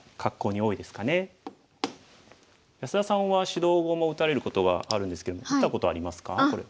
安田さんは指導碁も打たれることがあるんですけど見たことありますかこれ。